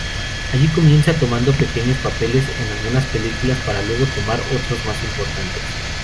Allí comienza tomando pequeños papeles en algunas películas, para luego tomar otros más importantes.